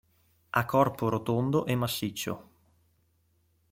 Ha corpo rotondo e massiccio.